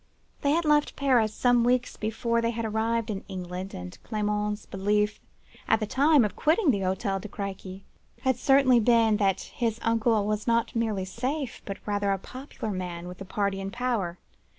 They had left Paris some weeks before they had arrived in England, and Clement's belief at the time of quitting the Hotel de Crequy had certainly been, that his uncle was not merely safe, but rather a popular man with the party in power.